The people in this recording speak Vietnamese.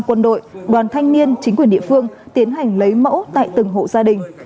quân đội đoàn thanh niên chính quyền địa phương tiến hành lấy mẫu tại từng hộ gia đình